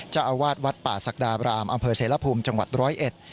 จะอวาดวัดป่าศักดาบรามอเศรภูมิจังหวัด๑๐๑